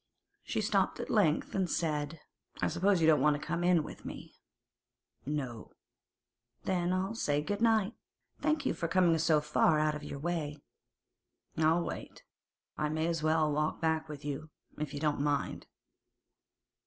She stopped at length, and said: 'I suppose you don't want to go in with me?' 'No.' 'Then I'll say good night. Thank you for coming so far out of your way.' 'I'll wait. I may as well walk back with you, if you don't mind.